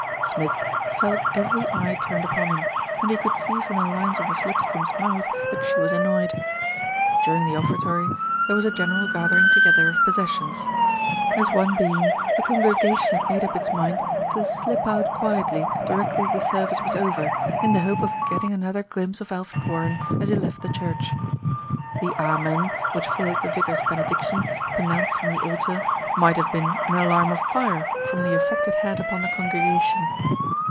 Smith felt every eye turned upon him, and he could see from the lines of Miss Lipscombe's mouth that she was annoyed. During the offertory, there was a general gathering together of possessions. As one being, the congre gation had made up its mind to "slip out quietly" directly the service was over, in the hope of getting another glimpse of Alfred Warren as he left the church. The amen which followed the vicar's benediction, pronounced from the altar, might have been an alarm of fire from the effect it had upon the congregation.